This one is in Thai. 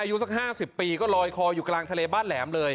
อายุสัก๕๐ปีก็ลอยคออยู่กลางทะเลบ้านแหลมเลย